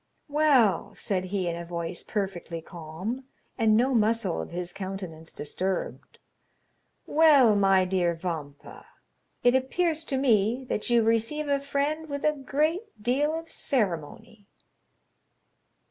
"Well," said he in a voice perfectly calm, and no muscle of his countenance disturbed, "well, my dear Vampa, it appears to me that you receive a friend with a great deal of ceremony."